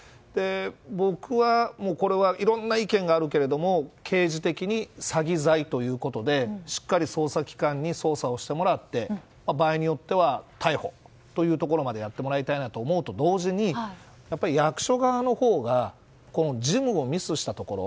僕は、これはいろんな意見があるけれども刑事的に詐欺罪ということでしっかり捜査機関に捜査してもらって場合によっては逮捕というところまでやってもらいたいと思うと同時にやっぱり役所側のほうが事務をミスしたところ。